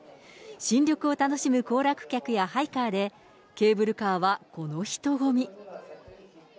新緑を楽しむ行楽客やハイカーで、ケーブルカーはこの人混み。